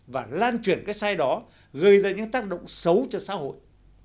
và lan truyền cái sai đó gây ra những tác động xấu cho xã hội